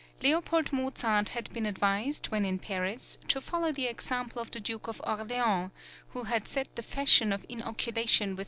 Leopold Mozart had been advised when in Paris to follow the example of the Duke of Orleans, who had set the fashion {THE FIRST OPERA IN VIENNA.